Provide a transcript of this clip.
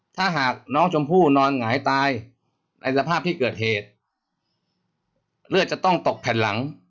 ถ้าหากน้องชมพู่นอนหงายตายในสภาพที่เกิดเหตุเลือดจะต้องตกแผ่นหลัง